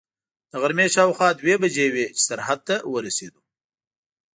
د غرمې شاوخوا دوې بجې وې چې سرحد ته ورسېدو.